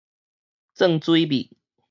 鑽水覕